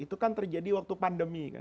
itu kan terjadi waktu pandemi